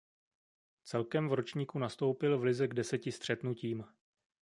Celkem v ročníku nastoupil v lize k deseti střetnutím.